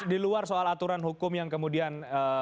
di luar soal aturan hukum yang kemudian